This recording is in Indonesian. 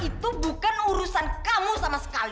itu bukan urusan kamu sama sekali